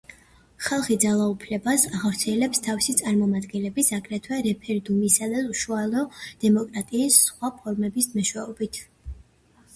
ხალხი ძალაუფლებას ახორციელებს თავისი წარმომადგენლების, აგრეთვე რეფერენდუმისა და უშუალო დემოკრატიის სხვა ფორმების მეშვეობით.